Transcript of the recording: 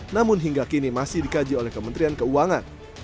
namun hingga kini masih dikaji oleh kementerian keuangan